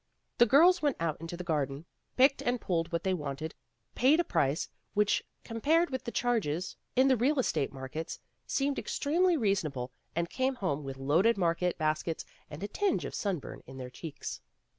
The girls went out into the garden, picked and pulled what they wanted, paid a price which, compared with the charges in the retail mar 108 PEGGY RAYMOND'S WAY kets, seemed extremely reasonable, and came home with loaded market baskets and a tinge of sunburn in their cheeks.